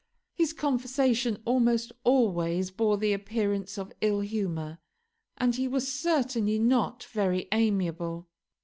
His conversation almost always bore the appearance of ill humour, and he was certainly not very amiable.